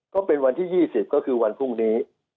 ก็เป็นวันที่๒๐ก็คือวันพรุ่งนี้